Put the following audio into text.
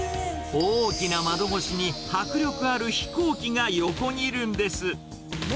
大きな窓越しに迫力ある飛行機が横切るんです。